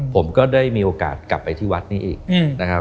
ผมก็ได้มีโอกาสกลับไปที่วัดนี้อีกนะครับ